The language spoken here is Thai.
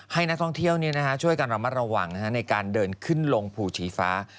ให้นักท่องเที่ยวช่วยกันระมัดระวังในการเดินขึ้นลงภูชีฟ้า